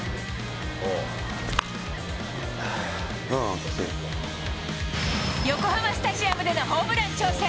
確かに、横浜スタジアムでのホームラン挑戦。